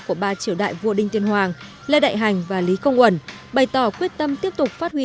của ba triều đại vua đinh tiên hoàng lê đại hành và lý công uẩn bày tỏ quyết tâm tiếp tục phát huy